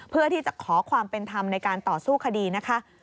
เพื่อที่จะขอความเป็นธรรมในการต่อสู้คดีนะคะ